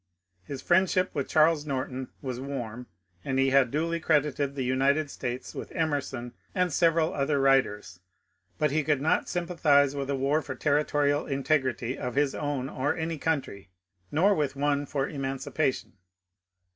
His friendship with Charles Norton was warm, and he had duly credited the United States with Emerson and several other writers ; but he could not sympathize with a war for territorial integrity of his own or any country, nor with one for emancipation.